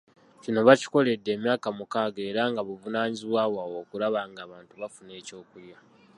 Kino bakikoledde emyaka mukaaga era nga buvunaanyizibwa bwabwe okulaba ng’abanaku bafune ekyokulya .